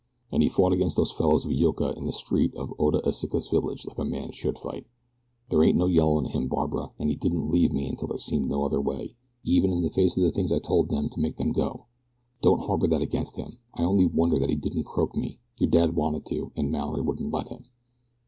"And he fought against those fellows of Yoka in the street of Oda Iseka's village like a man should fight. There ain't any yellow in him, Barbara, and he didn't leave me until there seemed no other way, even in the face of the things I told them to make them go. Don't harbor that against him I only wonder that he didn't croak me; your dad wanted to, and Mallory wouldn't let him."